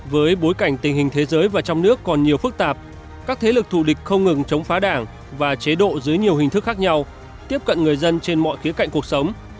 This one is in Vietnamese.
với bối cảnh tình hình thế giới và trong nước còn nhiều phức tạp các thế lực thù địch không ngừng chống phá đảng và chế độ dưới nhiều hình thức khác nhau tiếp cận người dân trên mọi khía cạnh cuộc sống